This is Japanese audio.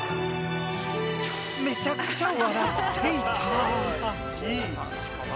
めちゃくちゃ笑っていた。